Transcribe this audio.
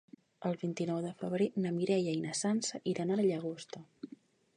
El vint-i-nou de febrer na Mireia i na Sança iran a la Llagosta.